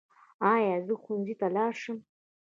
ایا زه ښوونځي ته لاړ شم؟